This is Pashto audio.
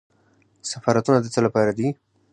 سفارتونه د څه لپاره دي؟